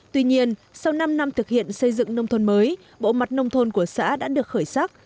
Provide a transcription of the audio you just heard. tuy nhiên sau năm năm thực hiện xây dựng nông thôn mới bộ mặt nông thôn của xã đã được khởi sắc